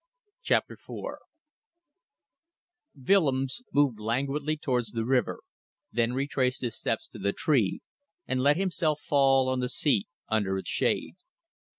CHAPTER FOUR Willems moved languidly towards the river, then retraced his steps to the tree and let himself fall on the seat under its shade.